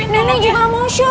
nenek juga mau show